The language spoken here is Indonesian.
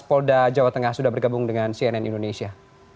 pas pol da jawa tengah sudah bergabung dengan cnn indonesia